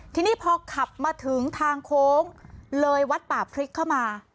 ทีนี้พอขับมาถึงทางโค้งเลยวัดป่าพริกเข้ามา